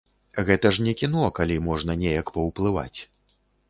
Гэта ж не кіно, калі можна неяк паўплываць.